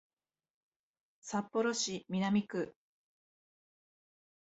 札幌市南区